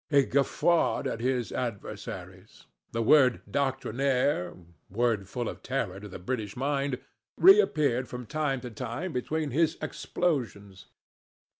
He guffawed at his adversaries. The word doctrinaire—word full of terror to the British mind—reappeared from time to time between his explosions.